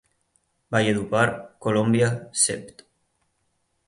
Valledupar, Colombia, Sept.